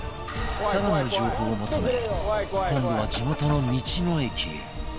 更なる情報を求め今度は地元の道の駅へ